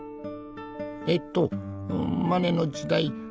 えっとマネの時代